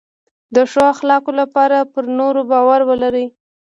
د ښو اخلاقو لپاره پر نورو باور ولرئ.